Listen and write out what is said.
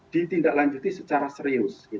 ditindaklanjuti secara serius